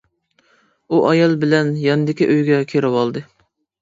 ئۇ ئايالى بىلەن ياندىكى ئۆيگە كىرىۋالدى.